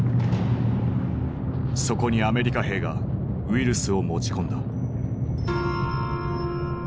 そこにアメリカ兵がウイルスを持ち込んだ。